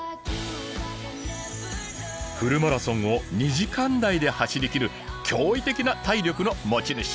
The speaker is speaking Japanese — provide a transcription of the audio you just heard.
フルマラソンを２時間台で走りきる驚異的な体力の持ち主。